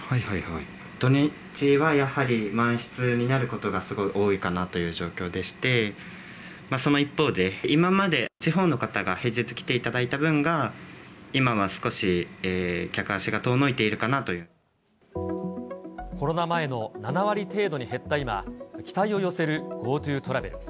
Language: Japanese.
土日はやはり満室になることがすごい多いかなという状況でして、その一方で、今まで地方の方が平日来ていただいた分が、今は少し客足が遠のいコロナ前の７割程度に減った今、期待を寄せるＧｏＴｏトラベル。